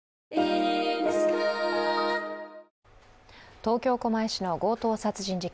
東京・狛江市の強盗殺人事件。